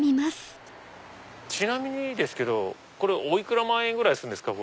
ちなみにですけどこれお幾ら万円するんですか？